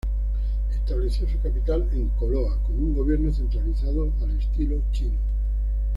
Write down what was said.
Estableció su capital en Co Loa con un gobierno centralizado al estilo chino.